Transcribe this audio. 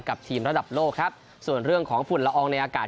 ทีมระดับโลกครับส่วนเรื่องของฝุ่นละอองในอากาศ